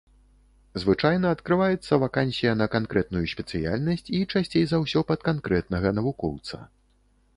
Звычайна адкрываецца вакансія на канкрэтную спецыяльнасць, і часцей за ўсё пад канкрэтнага навукоўца.